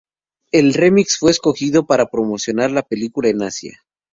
El remix fue escogido para promocionar la película en Asia.